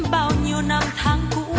bao nhiêu năm tháng cũ